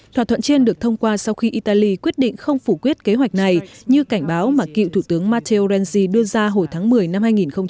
thỏa thuận trên được thông qua sau khi italy quyết định không phủ quyết kế hoạch này như cảnh báo mà cựu thủ tướng mattherensi đưa ra hồi tháng một mươi năm hai nghìn một mươi năm